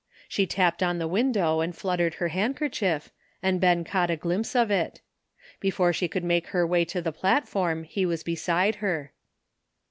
She tapped on the window and fluttered her handkerchief, and Ben caught a glimpse of it. Before she could make her way to the platform he was beside her.